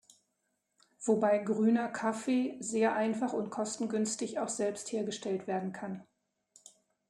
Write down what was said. Wobei grüner Kaffee sehr einfach und kostengünstig auch selbst hergestellt werden kann.